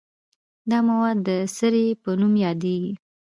دا مواد د سرې په نوم یادیږي.